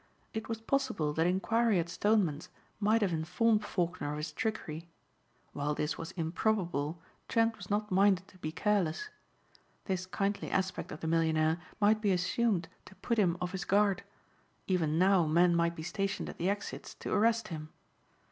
It was possible that inquiry at Stoneman's might have informed Faulkner of his trickery. While this was improbable Trent was not minded to be careless. This kindly aspect of the millionaire might be assumed to put him off his guard; even now men might be stationed at the exits to arrest him.